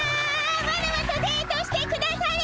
ワラワとデートしてくだされ！